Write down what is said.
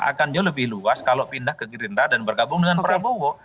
akan jauh lebih luas kalau pindah ke gerindra dan bergabung dengan prabowo